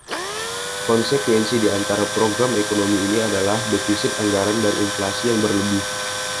Konsekuensi di antara program ekonomi ini adalah, defisit anggaran dan inflasi yang berlebih.